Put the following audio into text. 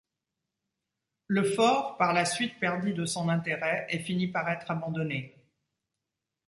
Le fort, par la suite perdit de son intérêt et finit par être abandonné.